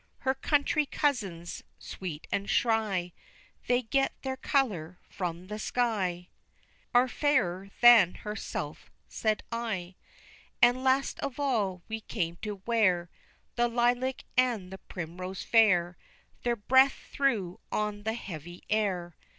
"Her country cousins sweet and shy, That get their color from the sky, Are fairer than herself," said I. And last of all we came to where The lilac and the primrose fair Their breath threw on the heavy air.